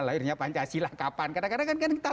lahirnya pancasila kapan kadang kadang kan kita